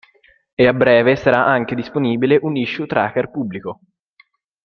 E a breve sarà disponibile anche un issue tracker pubblico.